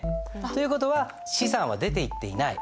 という事は資産は出ていっていない。